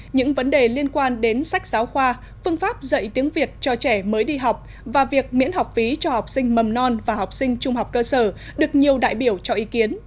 những vấn đề liên quan đến sách giáo khoa phương pháp dạy tiếng việt cho trẻ mới đi học và việc miễn học phí cho học sinh mầm non và học sinh trung học cơ sở được nhiều đại biểu cho ý kiến